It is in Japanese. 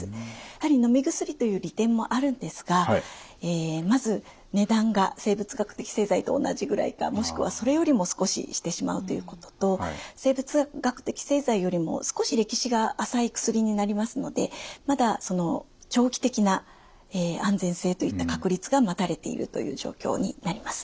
やはりのみ薬という利点もあるんですがまず値段が生物学的製剤と同じぐらいかもしくはそれよりも少ししてしまうということと生物学的製剤よりも少し歴史が浅い薬になりますのでまだその長期的な安全性といった確立が待たれているという状況になります。